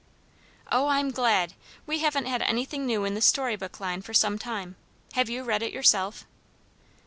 "Oh, I'm glad! we haven't had anything new in the story book line for some time. Have you read it yourself?"